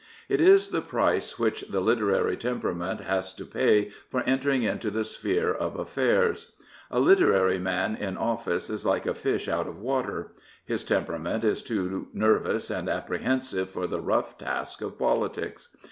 It is the price which the literary tempera ment has to pay for entering into the sphere of affairs. A literaury man in office is like a fish out of water J His temperament is too nervous and apprehensive for the rough task of politics.